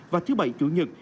và thứ bảy chủ nhật